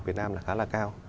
ở việt nam là khá là cao